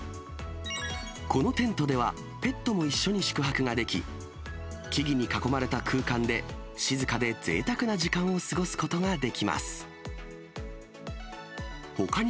このテントでは、ペットも一緒に宿泊ができ、木々に囲まれた空間で、静かでぜいたくな時間を過ごすことができます。